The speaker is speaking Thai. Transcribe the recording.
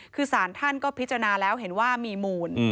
คือสารท่านก็พิจารณาแล้วเห็นว่ามีมูล